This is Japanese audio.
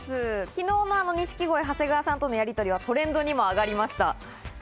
昨日の錦鯉・長谷川さんとのやりとりがトレンドにも上がりました。